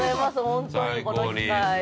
本当に、この機会を。